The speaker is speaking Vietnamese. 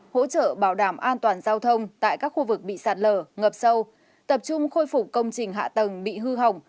hỗ trợ bảo đảm an toàn giao thông tại các khu vực bị sạt lở ngập sâu tập trung khôi phục công trình hạ tầng bị hư hỏng